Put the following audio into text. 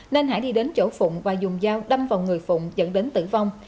nên hải đi đến chỗ phụng và dùng dao đâm vào người phụng dẫn đến tử vong